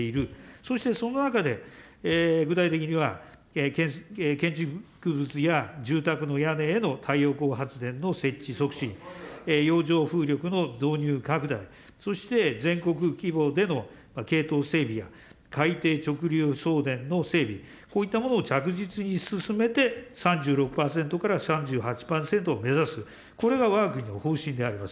そしてその中で、具体的には建築物や住宅の屋根への太陽光発電の設置促進、洋上風力の導入拡大、そして全国規模でのけいとう整備や、海底直流送電の整備、こういったものを着実に進めて、３６％から３８％を目指す、これがわが国の方針であります。